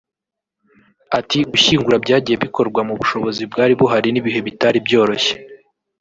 Ati “Gushyingura byagiye bikorwa mu bushobozi bwari buhari n’ibihe bitari byoroshye